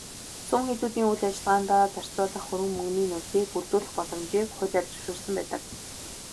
Сүм хийдүүдийн үйл ажиллагаандаа зарцуулах хөрөнгө мөнгөний нөөцийг бүрдүүлэх боломжийг хуулиар зөвшөөрсөн байдаг.